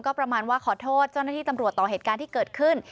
ก็ประมาณว่าขอโทษเจ้าหน้าที่ตำรวจต่อเหตุการณ์ที่เกิดขึ้น